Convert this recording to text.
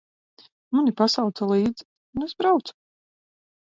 Mani pasauca līdzi, un es braucu.